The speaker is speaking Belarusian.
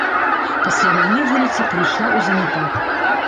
Пасля вайны вуліца прыйшла ў заняпад.